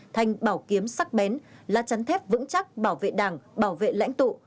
thành bảo kiếm sắc bén lá chắn thép vững chắc bảo vệ đảng bảo vệ lãnh tụ